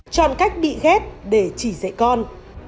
chọn cách bị ghét để chỉ dạy con